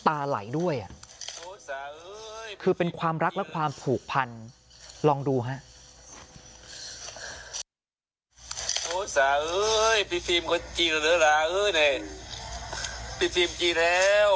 ไหลด้วยอ่ะคือเป็นความรักและความผูกพันลองดูฮะ